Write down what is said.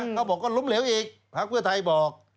เขาบอกว่าล้มเหลวอีกพักเพื่อไทยบอก